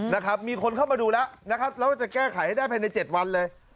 นะครับมีคนเข้ามาดูแล้วนะครับแล้วจะแก้ไขให้ได้ภายใน๗วันเลย